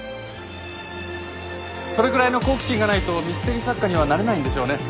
それぐらいの好奇心がないとミステリ作家にはなれないんでしょうね。